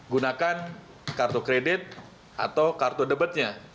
gunakan kartu kredit atau kartu debitnya